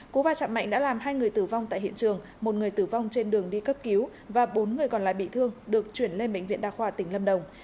cú va chạm mạnh đã làm hai người tử vong tại hiện trường một người tử vong trên đường đi cấp cứu và bốn người còn lại bị thương được chuyển lên bệnh viện đa khoa tỉnh lâm đồng